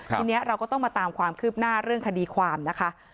ทีนี้เราก็ต้องมาตามความคืบหน้าเรื่องคดีความนะคะ